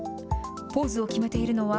ポーズを決めているのは、